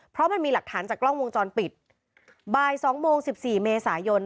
เพราะมันมีหลักฐานจากกล้องวงจรปิดบ่ายสองโมงสิบสี่เมษายน